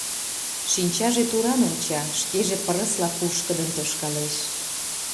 Шинчаже туран онча, шкеже пырысла пушкыдын тошкалеш.